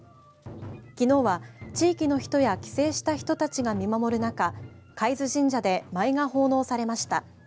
きのうは地域の人や帰省した人たちが見守る中貝津神社で舞が奉納されました。